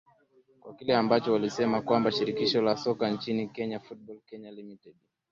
kwa kile ambacho walisema kwamba shirikisho la soka nchini kenya football kenya limited